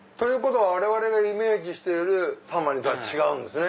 我々がイメージしているタンバリンとは違うんですね。